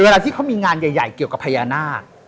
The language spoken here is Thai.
เวลาที่เขามีงานใหญ่เกี่ยวกับพญานาค